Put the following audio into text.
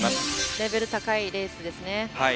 レベル高いレースですね。